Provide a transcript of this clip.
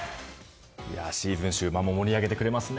シーズン終盤も盛り上げてくれますね。